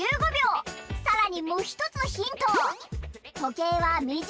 さらにもうひとつヒント。